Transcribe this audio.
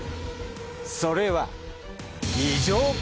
それは。